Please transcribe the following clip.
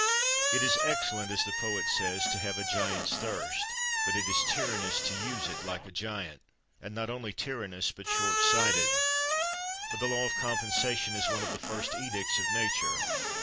"It is excellent," as the poet says, "to have a giant's thirst; but it is tyrannous to use it like a giant." And not only "tyrannous" but short sighted. For the law of compensation is one of the first edicts of Nature.